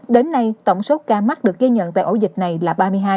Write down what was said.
đến nay tổng số ca mắc được ghi nhận tại ổ dịch này là ba mươi hai